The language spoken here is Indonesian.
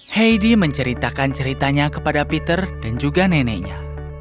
heidi menceritakan ceritanya kepada peter dan juga neneknya